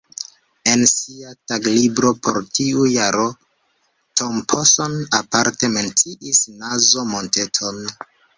En sia taglibro por tiu jaro Thompson aparte menciis Nazo-Monteton.